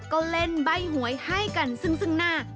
ก็เล่นใบ้หวยให้กันซึ่งหน้า